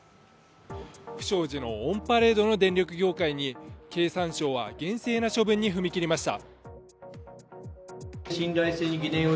不祥事のオンパレードの電力業界に経産省は厳正な処分に踏み切りました。